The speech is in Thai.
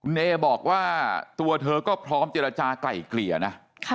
เนบอกว่าตัวเธอก็พร้อมเจรจากลายเกลี่ยนะ